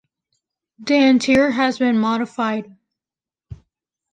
The interior has been modified.